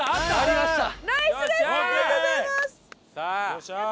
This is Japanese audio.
よっしゃー。